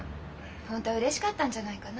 本当はうれしかったんじゃないかな？